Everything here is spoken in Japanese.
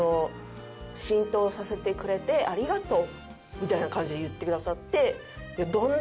みたいな感じで言ってくださって。